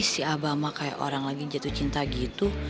si abama kayak orang lagi jatuh cinta gitu